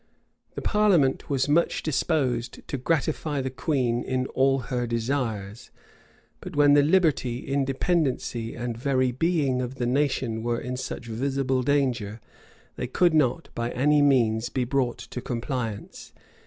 The parliament was much disposed to gratify the queen in all her desires; but when the liberty, independency, and very being of the nation were in such visible danger, they could not by any means be brought to compliance.